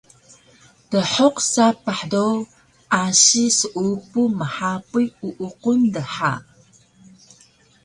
Dhuq sapah do asi seupu mhapuy uuqun dha